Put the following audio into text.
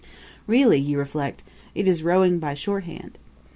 Really, you reflect, it is rowing by shorthand.